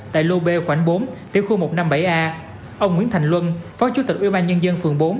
tại lô b khoảng bốn tiểu khu một trăm năm mươi bảy a ông nguyễn thành luân phó chủ tịch ubnd phường bốn